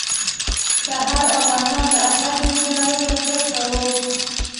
سهار او ماښام د الله ج ذکر کوه